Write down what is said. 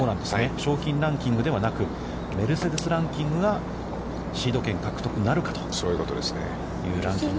賞金ランキングではなく、メルセデス・ランキングが、シード権獲得なるかというランキング。